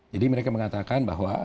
jadi mereka mengatakan bahwa